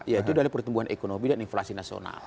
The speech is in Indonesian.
yaitu dari pertumbuhan ekonomi dan inflasi nasional